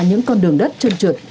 những con đường đất trơn trượt